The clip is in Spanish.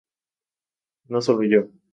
In Lee, Sidney.